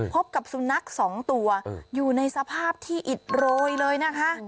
พบกับสุนัขสองตัวอยู่ในสภาพที่อิดโรยเลยนะคะ